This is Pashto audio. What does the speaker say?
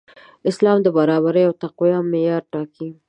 اسلام د برابرۍ او تقوی معیار ټاکي.